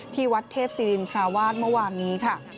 ที่วัดเทพศิรินทราวาสเมื่อวานนี้ค่ะ